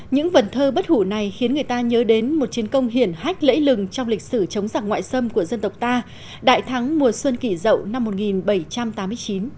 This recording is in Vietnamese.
những vần thơ bất hủ này khiến người ta nhớ đến một chiến công hiển hách lễ lừng trong lịch sử chống giặc ngoại xâm của dân tộc ta đại thắng mùa xuân kỷ dậu năm một nghìn bảy trăm tám mươi chín